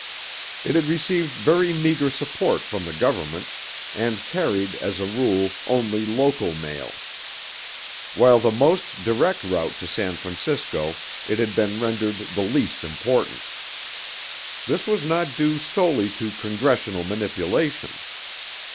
It had received very meagre support from the Government, and carried as a rule, only local mail. While the most direct route to San Francisco, it had been rendered the least important. This was not due solely to Congressional manipulation.